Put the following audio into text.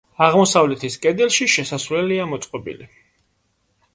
აღმოსავლეთის კედელში შესასვლელია მოწყობილი.